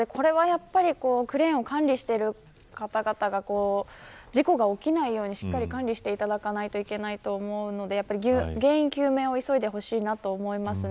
クレーンを管理している方々が事故が起きないようにしっかり管理していただかないといけないと思うので原因究明を急いでほしいなと思いますね。